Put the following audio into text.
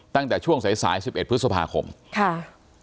ตั้งแต่ช่วงสายสาย๑๑พฤษภาคมค่ะ